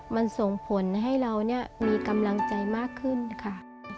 มันส่งผลให้เราเนี่ยมีกำลังใจมากขึ้นค่ะ